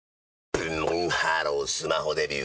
ブンブンハロースマホデビュー！